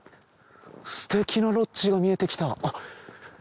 すてきなロッジが見えてきた。